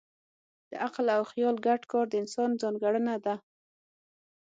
د عقل او خیال ګډ کار د انسان ځانګړنه ده.